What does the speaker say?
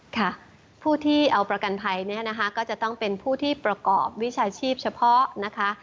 ค่ะผู้ที่เอาประกันภัยเนี่ยนะคะก็จะต้องเป็นผู้ที่ประกอบวิชาชีพเฉพาะนะคะ